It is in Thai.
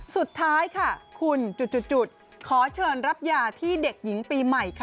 สุดท้ายค่ะคุณจุดขอเชิญรับยาที่เด็กหญิงปีใหม่ค่ะ